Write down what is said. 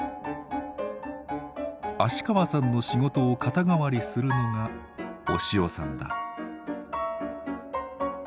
芦川さんの仕事を肩代わりするのが押尾さんだ。